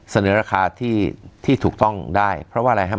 เสนอราคาที่ที่ถูกต้องได้เพราะว่าอะไรครับ